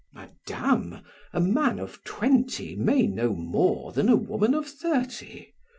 "Madame, a man of twenty may know more than a woman of thirty.